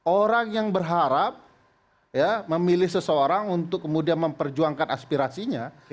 orang yang berharap memilih seseorang untuk kemudian memperjuangkan aspirasinya